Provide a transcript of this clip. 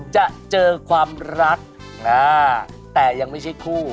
จะเจอความรักแต่ยังไม่ใช่คู่